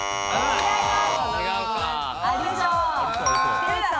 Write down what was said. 違います。